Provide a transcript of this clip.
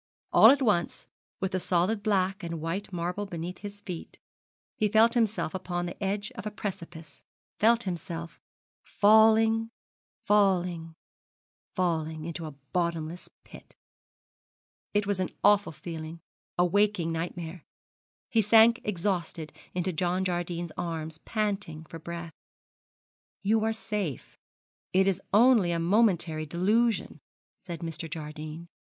All at once, with the solid black and white marble beneath his feet, he felt himself upon the edge of a precipice, felt himself falling, falling, falling, into a bottomless pit. It was an awful feeling, a waking nightmare. He sank exhausted into John Jardine's arms, panting for breath. 'You are safe, it is only a momentary delusion,' said Mr. Jardine.